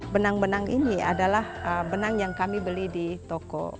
benang benang ini adalah benang yang kami beli di toko